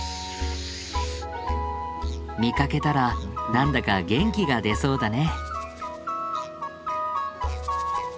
見かけたら何だか元気が出そうだね。